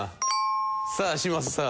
さあ嶋佐さん。